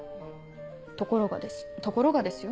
ところがですところがですよ？